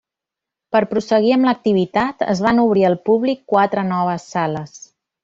Per prosseguir amb l'activitat, es van obrir al públic quatre noves sales.